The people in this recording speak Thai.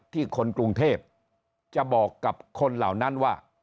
คนกรุงเทพจะบอกกับคนเหล่านั้นว่า